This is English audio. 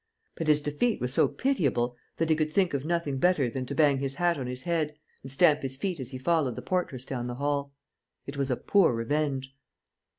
But his defeat was so pitiable that he could think of nothing better than to bang his hat on his head and stamp his feet as he followed the portress down the hall. It was a poor revenge.